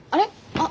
あっ。